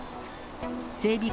整備